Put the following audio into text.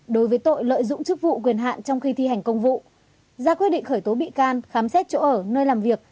đối với tội lợi dụng chức vụ quyền hạn trong khi thi hành công vụ ra quyết định khởi tố bị can khám xét chỗ ở nơi làm việc